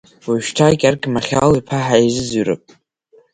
Уажәшьҭа Гьаргь Махьал-иԥа ҳааизыӡырҩып.